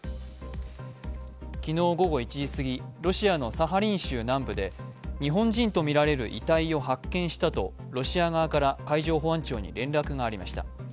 昨日午後１時すぎ、ロシアのサハリン州南部で日本人とみられる遺体を発見したとロシア側から海上保安庁に連絡がありました。